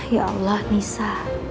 ya allah nisa